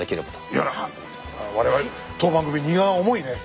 いや我々当番組荷が重いね。